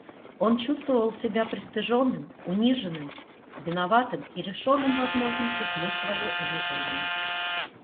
Он чувствовал себя пристыженным, униженным, виноватым и лишенным возможности смыть свое унижение.